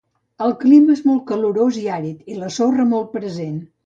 El clima és molt calorós i àrid, i la sorra molt present.